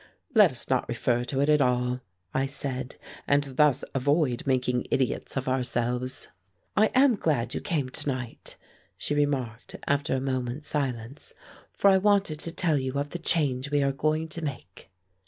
"Let us not refer to it at all," I said, "and thus avoid making idiots of ourselves." "I am glad you came to night," she remarked, after a moment's silence, "for I wanted to tell you of the change we are going to make."